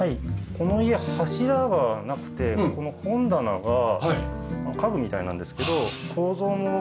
この家柱がなくてこの本棚が家具みたいなんですけど構造も伴っていて。